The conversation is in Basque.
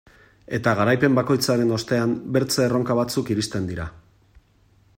Eta garaipen bakoitzaren ostean beste erronka batzuk iristen dira.